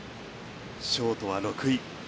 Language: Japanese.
ショートは６位。